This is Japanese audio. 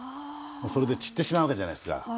それで散ってしまうわけじゃないですか。